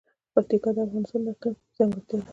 پکتیکا د افغانستان د اقلیم ځانګړتیا ده.